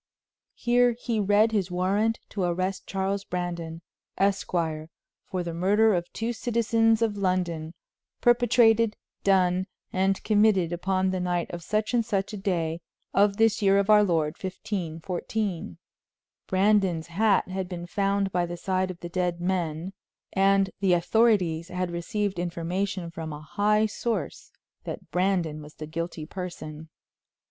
Here he read his warrant to arrest Charles Brandon, Esquire, for the murder of two citizens of London, perpetrated, done and committed upon the night of such and such a day, of this year of our Lord, 1514. Brandon's hat had been found by the side of the dead men, and the authorities had received information from a high source that Brandon was the guilty person.